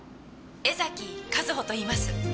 江崎和帆といいます。